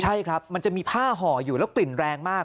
ใช่ครับมันจะมีผ้าห่ออยู่แล้วกลิ่นแรงมาก